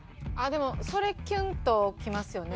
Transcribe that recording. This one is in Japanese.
それキュンときますよね。